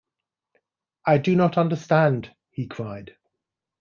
“I do not understand,” he cried.